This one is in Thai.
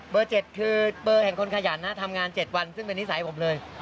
๗คือเบอร์แห่งคนขยันนะทำงาน๗วันซึ่งเป็นนิสัยผมเลย